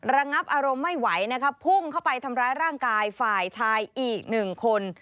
ระงับอารมณ์ไม่ไหวนะคะพุ่งเข้าไปทำร้ายร่างกายฝ่ายชายอีกหนึ่งคน